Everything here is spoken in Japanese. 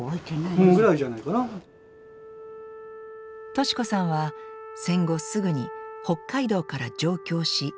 敏子さんは戦後すぐに北海道から上京し結婚。